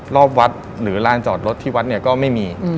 รอบวัดหรือลานจอดรถที่วัดเนี่ยก็ไม่มี